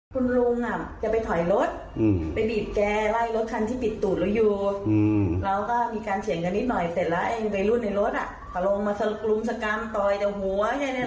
คุณลุงจะไปถอยรถไปบีบแกไล่รถคันที่บิดตูดเราอยู่แล้วก็มีการเถียงกันนิดหน่อยเสร็จแล้วไอ้วัยรุ่นในรถเขาลงมารุมสกรรมต่อยแต่หัว